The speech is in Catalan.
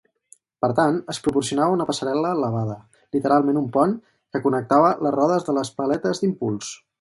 Per tant, es proporcionava una passarel·la elevada, literalment un pont, que connectava les rodes de les paletes d'impuls.